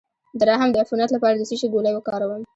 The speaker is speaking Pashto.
د رحم د عفونت لپاره د څه شي ګولۍ وکاروم؟